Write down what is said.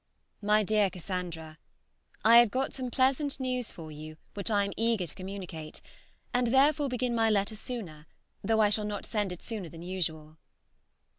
MY DEAR CASSANDRA, I have got some pleasant news for you which I am eager to communicate, and therefore begin my letter sooner, though I shall not send it sooner than usual.